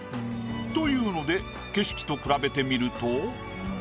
と言うので景色と比べてみると。